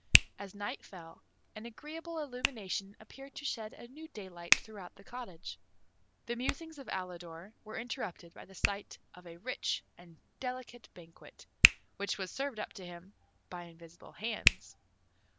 As night fell, an agreeable illumination appeared to shed a new daylight throughout the cottage. The musings of Alidor were interrupted by the sight of a rich and delicate banquet, which was served up to him by invisible hands.